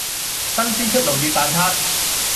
新鮮出爐熱蛋撻